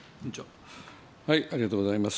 ありがとうございます。